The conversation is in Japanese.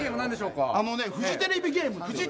フジテレビゲーム。